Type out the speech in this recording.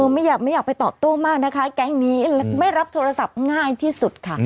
ไม่อยากไม่อยากไปตอบโต้มากนะคะแก๊งนี้ไม่รับโทรศัพท์ง่ายที่สุดค่ะ